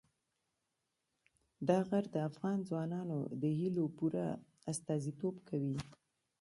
دا غر د افغان ځوانانو د هیلو پوره استازیتوب کوي.